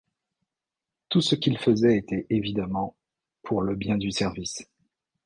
Tout ce qu’il faisait était évidemment « pour le bien du service ».